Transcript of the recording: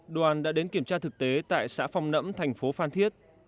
đoàn đã đến kiểm tra thực tế tại xã phong nẫm thành phố phan thiết